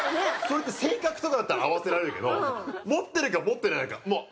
それって性格とかだったら合わせられるけど持ってるか持ってないかもう。